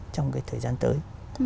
trong cái thời gian tới